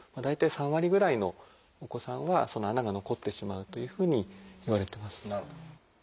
大体３割ぐらいのお子さんはその穴が残ってしまうというふうにいわれてます。